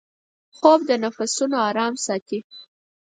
خوب د نفسونـو آرام ساتي